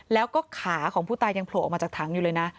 แล้วก็ขาของผู้ตายังโผล่ออกมาจากถังอยู่เลยนะ